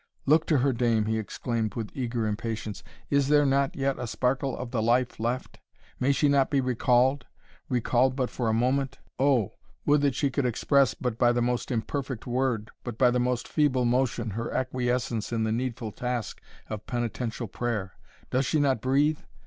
Look to her, dame," he exclaimed, with eager impatience; "is there not yet a sparkle of the life left? may she not be recalled recalled but for a moment? Oh! would that she could express, but by the most imperfect word but by the most feeble motion, her acquiescence in the needful task of penitential prayer! Does she not breathe?